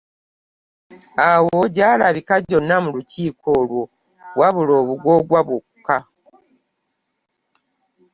Awo gyalabika gyonna mu lukiiko olwo, wabula obugoogwa bwokka.